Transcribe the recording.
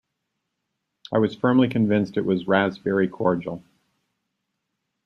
I was firmly convinced it was raspberry cordial.